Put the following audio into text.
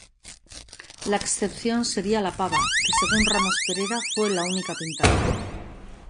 La excepción sería "La Pava", que según Ramos Perera fue la única pintada.